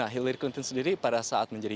hillary countin sendiri pada saat menjadi